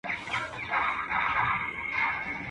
o شپه که تياره ده، مڼې په شمار دي.